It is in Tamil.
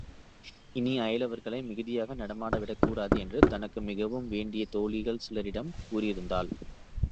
இனி அயலவர்களை மிகுதியாக நடமாட விடக்கூடாது என்றும் தனக்கு மிகவும் வேண்டிய தோழிகள் சிலரிடம் கூறியிருந்தாள்.